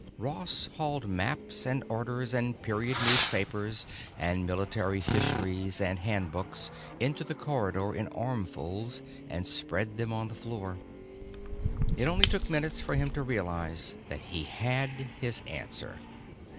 Ross hauled maps and orders and period newspapers and military histories and handbooks into the corridor in armfuls and spread them on the floor. It took only minutes for him to realize that he had his answer.